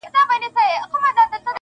د هر وګړي زړه ټکور وو اوس به وي او کنه-